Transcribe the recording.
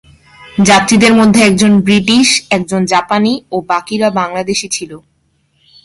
যাত্রীদের মধ্যে একজন ব্রিটিশ, একজন জাপানি ও বাকিরা বাংলাদেশী ছিল।